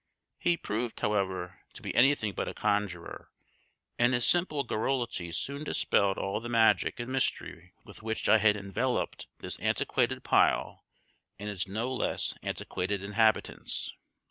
He proved, however, to be anything but a conjurer, and his simple garrulity soon dispelled all the magic and mystery with which I had enveloped this antiquated pile and its no less antiquated inhabitants.